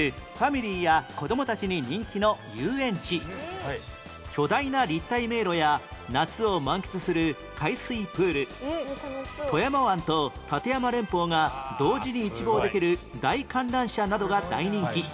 魚津市にある巨大な立体迷路や夏を満喫する海水プール富山湾と立山連峰が同時に一望できる大観覧車などが大人気